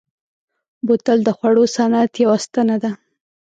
بوتل د خوړو صنعت یوه ستنه ده.